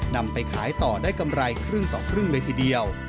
นำไปขายต่อได้กำไรครึ่งต่อครึ่งเลยทีเดียว